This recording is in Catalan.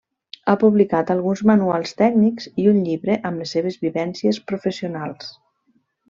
Ha publicat alguns manuals tècnics i un llibre amb les seves vivències professionals.